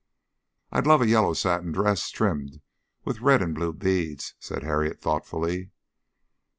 "I'd love a yellow satin dress trimmed with red and blue beads," said Harriet, thoughtfully.